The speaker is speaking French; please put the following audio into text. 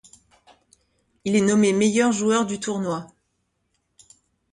Il est nommé meilleur joueur du tournoi.